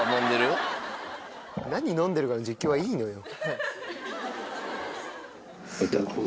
何飲んでるかの実況はいいのよ。